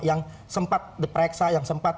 yang sempat diperiksa yang sempat